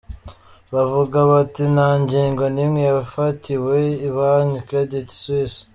Bavuga bati:"Nta ngingo n'imwe yafatiwe ibanke Credit Suisse.